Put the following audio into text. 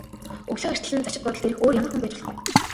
Өглөө эртлэн зочид буудалд ирэх өөр ямар хүн байж болох вэ?